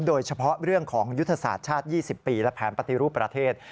โดยเฉพาะเรื่องของยุทธศาสตร์ชาติ๒๐ปีและแผนปฏิรูปประเทศ